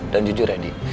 dan jujur ya didi